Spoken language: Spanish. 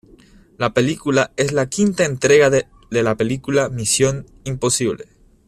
La película es la quinta entrega de la película "Mission: Impossible".